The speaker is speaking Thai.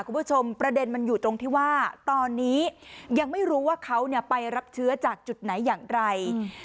คุณผู้ชมประเด็นมันอยู่ตรงที่ว่าตอนนี้ยังไม่รู้ว่าเขาไปรับเชื้อจากจุดไหนอย่างไร